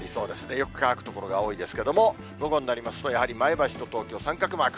よく乾く所が多いですけども、午後になりますと、やはり前橋と東京、三角マーク。